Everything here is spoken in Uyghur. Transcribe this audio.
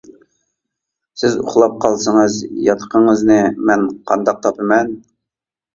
سىز ئۇخلاپ قالسىڭىز ياتىقىڭىزنى مەن قانداق تاپىمەن.